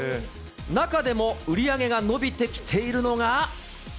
中でも売り上げが伸びてきているのが。